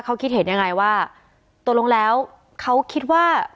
เขาคิดเห็นยังไงว่าตกลงแล้วเขาคิดว่า